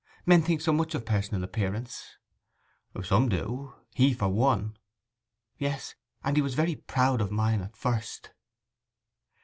Men think so much of personal appearance.' 'Some do—he for one.' 'Yes; and he was very proud of mine, at first.